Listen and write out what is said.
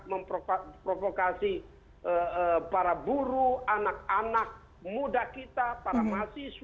memprovokasi para buruh anak anak muda kita para mahasiswa